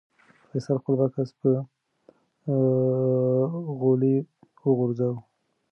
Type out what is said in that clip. فیصل خپل بکس په غولي وغورځاوه.